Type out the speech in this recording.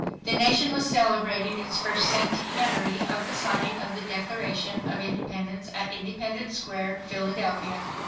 The nation was celebrating its first centenary of the signing of the Declaration of Independence at Independence Square, Philadelphia.